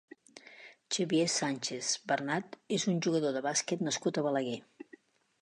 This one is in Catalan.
Xavier Sánchez Bernat és un jugador de bàsquet nascut a Balaguer.